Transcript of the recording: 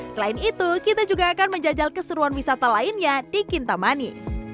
selain itu kita juga akan menjajal keseruan wisata lainnya di kintamani